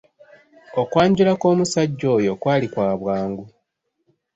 Okwanjula kw'omusajja oyo kwali kwa bwangu.